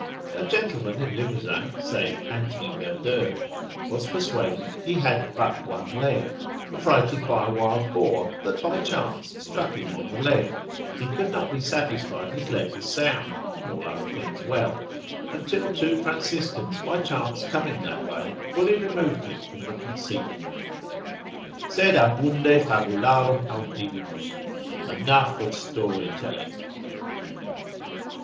A gentleman in Limousin, saith Anthony Verdeur, was persuaded he had but one leg, affrighted by a wild boar, that by chance struck him on the leg; he could not be satisfied his leg was sound (in all other things well) until two Franciscans by chance coming that way, fully removed him from the conceit. Sed abunde fabularum audivimus,—enough of story telling.